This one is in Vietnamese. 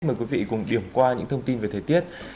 mời quý vị cùng điểm qua những thông tin về thời tiết